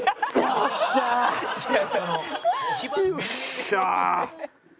よっしゃー！